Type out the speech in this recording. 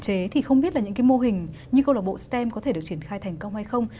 hạn chế thì không biết là những cái mô hình như câu lạc bộ stem có thể được triển khai thành công hay không